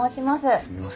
すみません